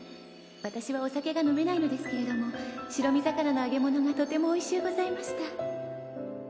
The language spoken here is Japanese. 「わたしはお酒が飲めないのですけれども白身魚の揚げ物がとてもおいしゅうございました」